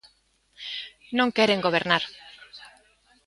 Non queren gobernar.